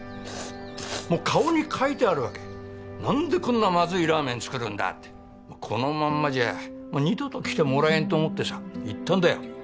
もう顔に書いてあるわけ「何でこんなまずいラーメン作るんだ」ってこのまんまじゃ二度と来てもらえんと思ってさ言ったんだよ